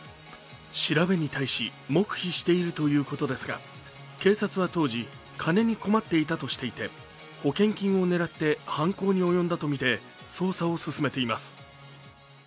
調べに対し黙秘しているということですが警察は当時金に困っていたとしていて保険金を狙って犯行に及んだとみて捜査を進めています。